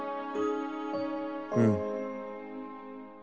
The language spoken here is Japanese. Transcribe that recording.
『うん。